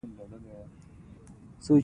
د ژوند سمه طریقه په خپل ځان بروسه کول دي.